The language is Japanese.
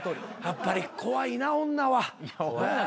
やっぱり怖いな女は。